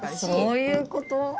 そういうこと？